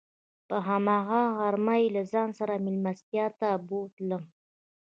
په هماغه غرمه یې له ځان سره میلمستیا ته بوتلم.